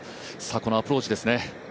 このアプローチですね。